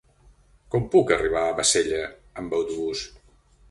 Com puc arribar a Bassella amb autobús?